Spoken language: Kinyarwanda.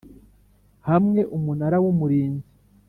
hamwe Umunara w Umurinzi